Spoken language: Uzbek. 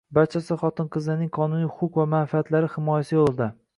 Barchasi xotin-qizlarning qonuniy huquq va manfaatlari himoyasi yo'lida